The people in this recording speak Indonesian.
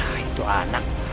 alah itu anak